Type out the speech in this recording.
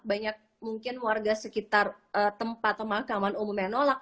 banyak mungkin warga sekitar tempat pemakaman umum yang nolak